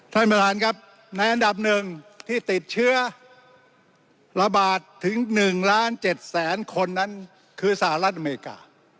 ท่านประธานครับในอันดับหนึ่งที่ติดเชื้อระบาดถึง๑ล้าน๗แสนคนนั้นคือสหรัฐอเมริกา